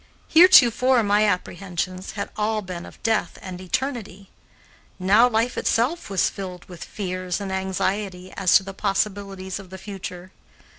Heretofore my apprehensions had all been of death and eternity; now life itself was filled with fears and anxiety as to the possibilities of the future.